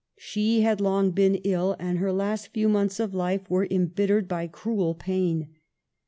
She had long been ill, and her last few months of life were embittered by cruel pain.